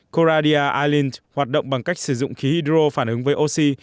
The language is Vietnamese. coradia island hoạt động bằng cách sử dụng khí hydro phản ứng với oxy